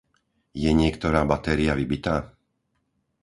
Je niektorá batéria vybitá?